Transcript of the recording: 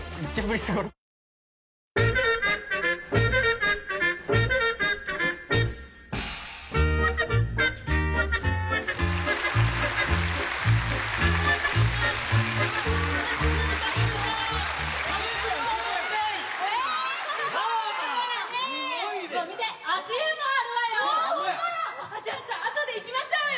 じゃあさあとで行きましょうよ。